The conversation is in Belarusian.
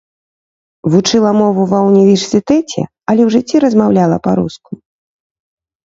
Вучыла мову ва ўніверсітэце, але ў жыцці размаўляла па-руску.